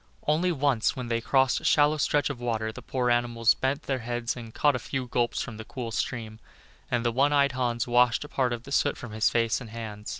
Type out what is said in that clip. Only once, when they crossed a shallow stretch of water, the poor animals bent their heads and caught a few gulps from the cool stream, and the One eyed Hans washed a part of the soot from his hands and face.